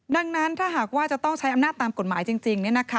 ดังนั้นถ้าหากว่าจะต้องใช้อำนาจตามกฎหมายจริง